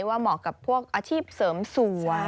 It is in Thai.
เหมาะกับพวกอาชีพเสริมสวย